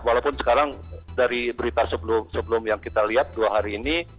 walaupun sekarang dari berita sebelum yang kita lihat dua hari ini